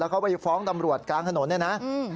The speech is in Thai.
เขาไปฟ้องตำรวจกลางถนนเนี่ยนะ